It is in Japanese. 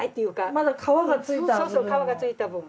まだ皮がついた部分の。